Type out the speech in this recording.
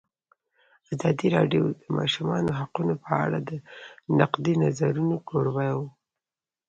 ازادي راډیو د د ماشومانو حقونه په اړه د نقدي نظرونو کوربه وه.